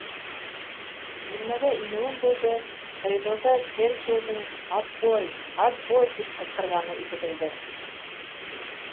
Бүлмәгә инеүем булдым, коридорҙа Чер-чиллдың «отбой», «отбой», тип ҡысҡырғаны ишетелде.